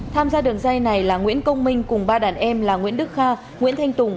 tham gia đường dây này là nguyễn công minh cùng ba đàn em là nguyễn đức kha nguyễn thanh tùng